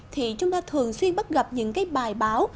thì chúng ta thường xuyên bắt gặp những cái bài báo